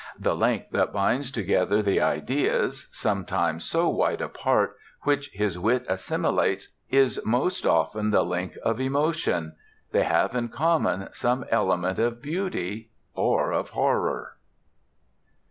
The link that binds together the ideas, sometimes so wide apart, which his wit assimilates, is most often the link of emotion; they have in common some element of beauty or of horror.